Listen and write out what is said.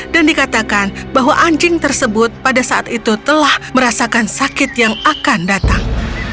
dan dikatakan bahwa anjing tersebut pada saat itu telah merasakan sakit yang akan datang